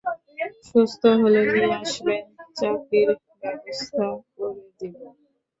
সুস্থ হলে নিয়ে আসবেন চাকরির ব্যবস্থা করে দিবো।